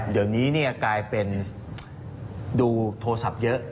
เดี๋ยวนี้กลายเป็นดูโทรศัพท์เยอะ